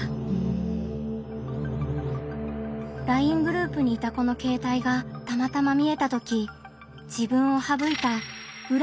ＬＩＮＥグループにいた子の携帯がたまたま見えたとき自分を省いた裏